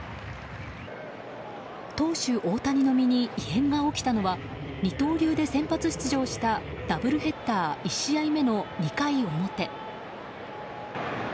投手・大谷の身に異変が起きたのは二刀流で先発出場したダブルヘッダー１試合目の２回表。